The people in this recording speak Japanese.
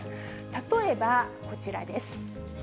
例えばこちらです。